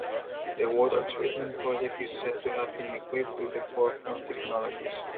The water treatment project is said to have been equipped with the forefront technologies.